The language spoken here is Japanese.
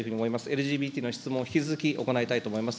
ＬＧＢＴの質問、引き続き行いたいと思います。